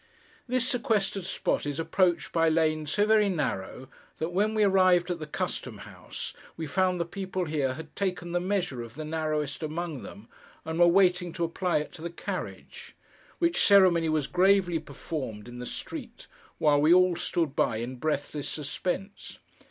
This sequestered spot is approached by lanes so very narrow, that when we arrived at the Custom house, we found the people here had taken the measure of the narrowest among them, and were waiting to apply it to the carriage; which ceremony was gravely performed in the street, while we all stood by in breathless suspense.